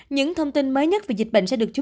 những thông tin mới nhất về dịch bệnh sẽ được chú